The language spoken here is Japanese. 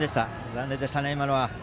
残念でしたね、今のは。